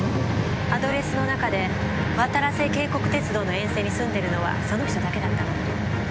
アドレスの中でわたらせ渓谷鉄道の沿線に住んでるのはその人だけだったの。